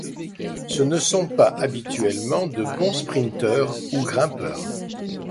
Ce ne sont pas habituellement de bons sprinteurs ou grimpeurs.